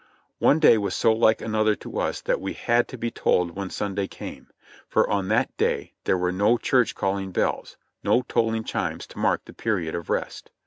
One day was so like another to us that we had to be told when Sunday came, for on that day there were no church calling bells — no tolling chimes to mark the period of rest.